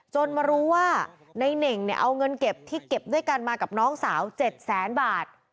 มารู้ว่าในเน่งเนี่ยเอาเงินเก็บที่เก็บด้วยกันมากับน้องสาว๗แสนบาท